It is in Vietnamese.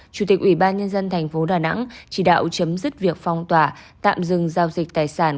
chủ tịch ủy ban dân tp đà nẵng chỉ đạo chấm dứt việc phong tỏa tạm dừng giao dịch tài sản